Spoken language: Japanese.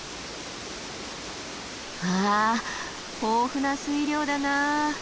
わあ豊富な水量だな！